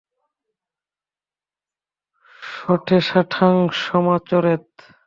শঠে শাঠ্যং সমাচরেৎ।